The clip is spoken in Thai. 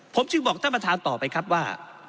ผมจึงบอกท่านประธานต่อไปครับว่า